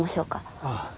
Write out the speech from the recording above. ああ。